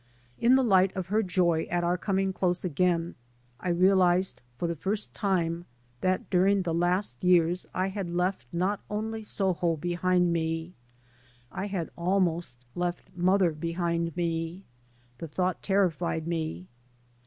In the light of her joy at our coming close again I real ised for the first time that during the last years I had left not only Soho behind me ; I had abnost left MOTHER behind me. .The thought terrified me.